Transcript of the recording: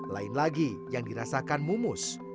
lain lagi yang dirasakan mumus